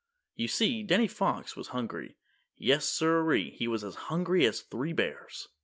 You see, Danny Fox was hungry. Yes, siree, he was as hungry as three bears.